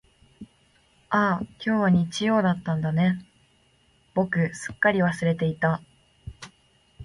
ああ、今日は日曜だったんだね、僕すっかり忘れていた。